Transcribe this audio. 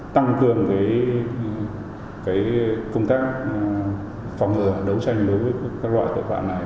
tăng cường công tác phòng ngừa đấu tranh đối với các loại tội phạm này